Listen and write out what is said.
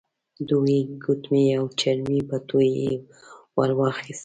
دوې ګوتمۍ او چرمې بټوه يې ور واخيستل.